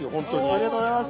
ありがとうございます。